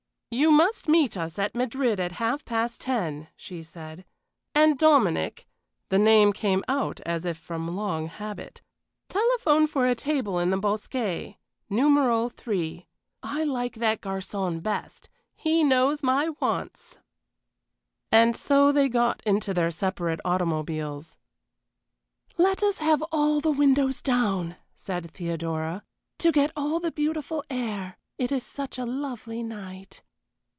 "You must meet us at Madrid at half past ten," she said; "and Dominic" the name came out as if from long habit "telephone for a table in the bosquet Numero 3 I like that garçon best, he knows my wants." And so they got into their separate automobiles. "Let us have all the windows down," said Theodora, "to get all the beautiful air it is such a lovely night."